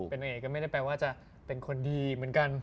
เป็นเอกก็ไม่ได้แปลว่าจะเป็นคนดีเหมือนกัน